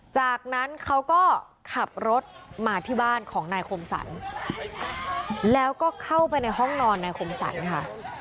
จากนั้นเขาก็ขับรถมาที่บ้านของนายคมสรรแล้วก็เข้าไปในห้องนอนนายคมสรรค่ะ